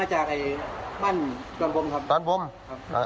จนผมออนหยามาส่ง